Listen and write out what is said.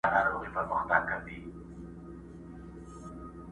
صحرايي ویل موچي درته وهمه،